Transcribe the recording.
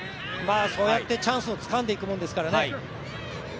そうやってチャンスをつかんでいくもんですからね。